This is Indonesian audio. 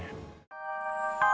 sampai jumpa di video selanjutnya